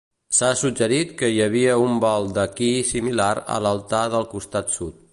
S'ha suggerit que hi havia un baldaquí similar a l'altar del costat sud.